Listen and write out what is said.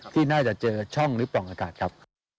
ที่น่าจะเจอช่องหรือปล่องอากาศครับ